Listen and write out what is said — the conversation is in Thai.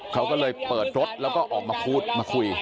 เขาก็เลยเปิดรถแล้วก็ออกมาพูดมาคุย